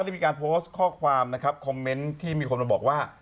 ได้มีการโพสต์ข้อความนะครับคอมเมนต์ที่มีคนมาบอกว่า